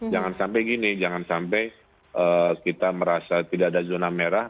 jangan sampai gini jangan sampai kita merasa tidak ada zona merah